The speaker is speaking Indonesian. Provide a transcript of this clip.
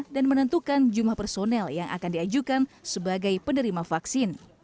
menentukan jumlah personel yang akan diajukan sebagai penerima vaksin